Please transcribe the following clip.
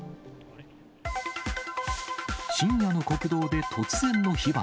深夜の国道で突然の火花。